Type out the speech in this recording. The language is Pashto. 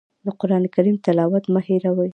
د قرآن کریم تلاوت مه هېروئ.